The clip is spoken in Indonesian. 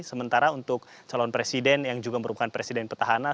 sementara untuk calon presiden yang juga merupakan presiden petahana